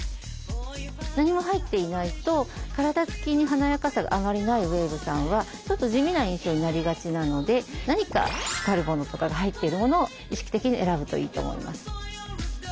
何も入っていないと体つきに華やかさがあまりないウエーブさんはちょっと地味な印象になりがちなので何か光るものとかが入っているものを意識的に選ぶといいと思います。